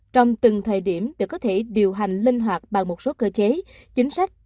trong từng thời điểm để có thể điều hành linh hoạt bằng một số cơ chế chính sách